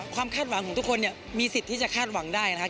คาดหวังของทุกคนเนี่ยมีสิทธิ์ที่จะคาดหวังได้นะครับ